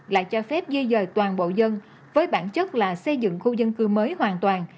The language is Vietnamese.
lại cho phép di dời toàn bộ dân với bản chất là xây dựng khu dân cư mới hoàn toàn